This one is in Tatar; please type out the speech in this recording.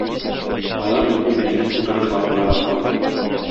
Алар Милли Мәҗлес утырышларында расланды.